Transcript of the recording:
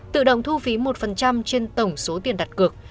tự động thu phí một trên tổng số tiền đặt cược